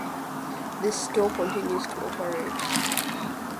This store continues to operate.